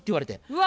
うわ！